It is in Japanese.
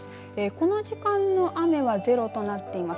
この時間の雨はゼロとなっています。